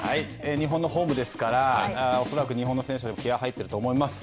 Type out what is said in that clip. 日本のホームですから恐らく日本の選手も気合いが入っていると思います。